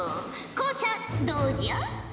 こうちゃんどうじゃ？